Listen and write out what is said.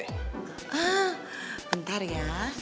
hah ntar ya